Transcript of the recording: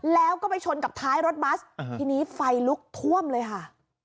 แล้วก็ไปชนกับท้ายรถบัสทีนี้ไฟลุกท่วมเลยค่ะ